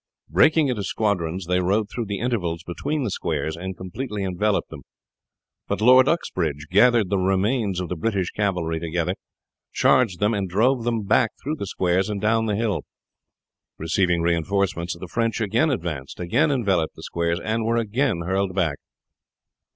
Breaking into squadrons they rode through the intervals between the squares and completely enveloped them; but Lord Uxbridge gathered the remains of the British cavalry together, charged them, and drove them back through the squares and down the hill. Receiving reinforcements the French again advanced, again enveloped the squares, and were again hurled back.